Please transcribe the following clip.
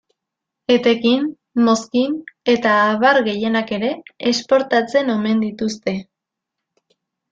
Etekin, mozkin eta abar gehienak ere, esportatzen omen dituzte.